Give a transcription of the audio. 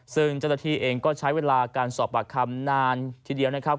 ซึ่งเจ้าหน้าที่เองก็ใช้เวลาการสอบปากคำนานทีเดียวนะครับ